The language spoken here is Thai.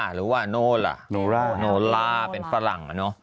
หรือว่าโนลาีของฝรั่ง